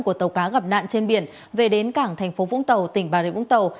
của tàu cá gặp nạn trên biển về đến cảng tp vũng tàu tỉnh bà rịa vũng tàu